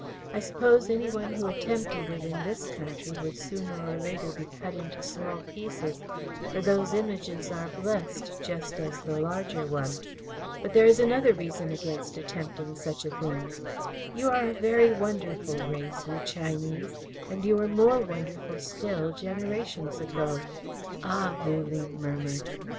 "I suppose any one who attempted it in this country would sooner or later be cut into small pieces, for these Images are blessed just as the larger one. But there is another reason against attempting such a thing. You are a very wonderful race, you Chinese, and you were more wonderful still, generations ago." "Ah!" Wu Ling murmured.